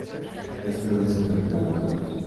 Las flores se enfrentan a dos lados.